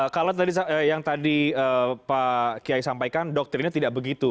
kalau yang tadi pak kiai sampaikan doktrinnya tidak begitu